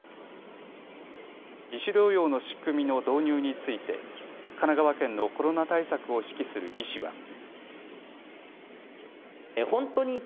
自主療養の仕組みの導入について神奈川県のコロナ対策を指揮する医師は。